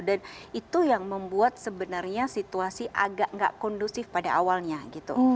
dan itu yang membuat sebenarnya situasi agak gak kondusif pada awalnya gitu